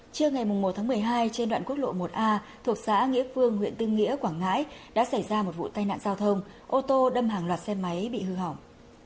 trưa ngày một một mươi hai trên đoạn quốc lộ một a thuộc xã nghĩa phương huyện tư nghĩa quảng ngãi đã xảy ra một vụ tai nạn giao thông ô tô đâm hàng loạt xe máy bị hư hỏng